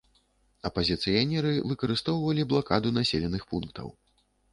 Апазіцыянеры выкарыстоўвалі блакаду населеных пунктаў.